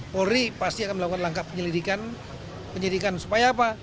polri pasti akan melakukan langkah penyelidikan penyidikan supaya apa